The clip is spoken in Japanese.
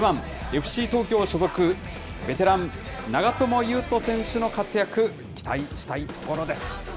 ・ＦＣ東京所属、ベテラン、長友佑都選手の活躍、期待したいところです。